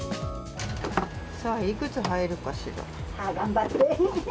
さあ、いくつ入るかしら。頑張って。